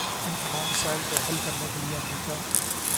ان تمام مسائل کو حل کرنے کے لیے امریکہ